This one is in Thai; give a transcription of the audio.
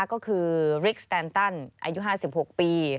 ก็คือริกสแตนตันอายุ๕๖ปี